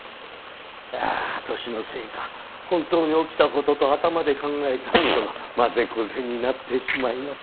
いや年のせいか本当に起きたことと頭で考えたことがまぜこぜになってしまいます。